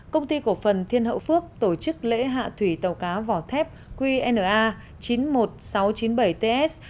công ty cổ phần thiên hậu phước tổ chức lễ hạ thủy tàu cá vỏ thép qna chín mươi một nghìn sáu trăm chín mươi bảy ts